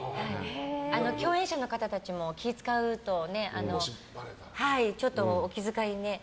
共演者の方たちも気を使うとちょっと、お気遣いね。